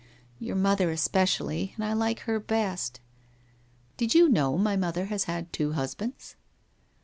Your mother espe cially, and I like her best.' 1 Did you know my mother has had two husbands?